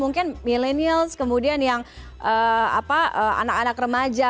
mungkin millennials kemudian yang anak anak remaja